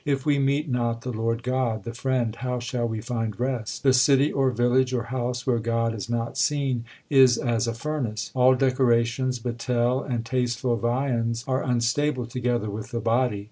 If we meet not the Lord God, the Friend, how shall we find rest ? The city or village or house where God is not seen is as a furnace. All decorations, betel, and tasteful viands are unstable together with the body.